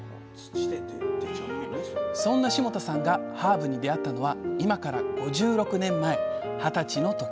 そんな霜多さんがハーブに出会ったのは今から５６年前二十歳のとき。